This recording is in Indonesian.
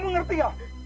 sudah aku bilang diam